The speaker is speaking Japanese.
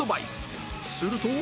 すると